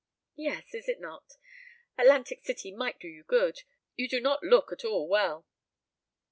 "Yes, is it not? Atlantic City might do you good. You do not look at all well."